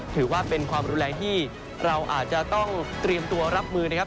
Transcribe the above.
ถือว่าเป็นความรุนแรงที่เราอาจจะต้องเตรียมตัวรับมือนะครับ